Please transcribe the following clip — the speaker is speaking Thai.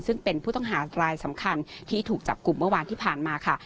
ซึ่งเป็นผู้ต้องหารายสำคัญที่ถูกจับกลุ่มเมื่อวานที่ผ่านมาค่ะ